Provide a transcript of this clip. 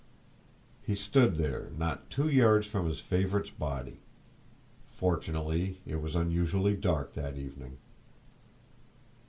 He stood there, not two yards from his favourite's body! Fortunately it was unusually dark that evening.